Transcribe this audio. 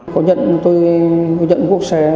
có nhận tôi nhận cuộc xe